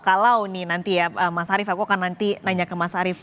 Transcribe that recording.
kalau nih nanti ya mas arief aku akan nanti nanya ke mas arief